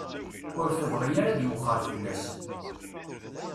Ur tebɣi ara ad iwexxer fell-as.